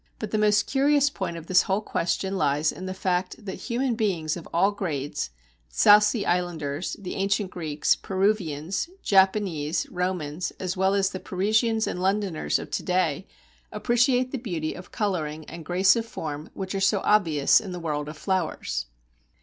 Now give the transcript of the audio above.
But the most curious point of this whole question lies in the fact that human beings of all grades, South Sea Islanders, the Ancient Greeks, Peruvians, Japanese, Romans, as well as the Parisians and Londoners of to day, appreciate the beauty of colouring and grace of form which are so obvious in the world of flowers.